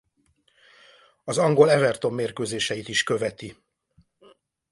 Az angol Everton mérkőzéseit is követi.